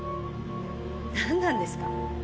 なんなんですか？